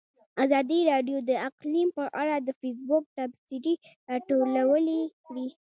ازادي راډیو د اقلیم په اړه د فیسبوک تبصرې راټولې کړي.